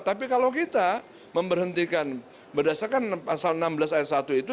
tapi kalau kita memberhentikan berdasarkan pasal enam belas ayat satu itu